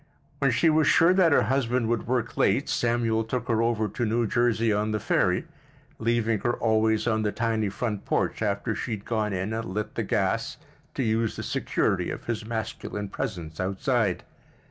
When she was sure that her husband would work late Samuel took her over to New Jersey on the ferry, leaving her always on the tiny front porch, after she had gone in and lit the gas to use the security of his masculine presence outside.